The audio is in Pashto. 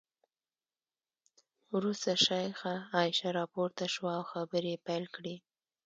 وروسته شیخه عایشه راپورته شوه او خبرې یې پیل کړې.